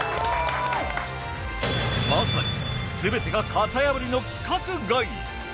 まさにすべてが型破りの規格外。